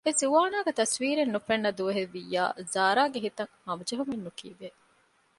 އެޒުވާނާގެ ތަސްވީރެއް ނުފެންނަ ދުވަހެއް ވިއްޔާ ޒާރާގެ ހިތަށް ހަމަޖެހުމެއް ނުކިބޭ